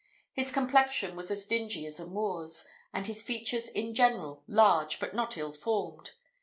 His complexion was as dingy as a Moor's, and his features in general large, but not ill formed.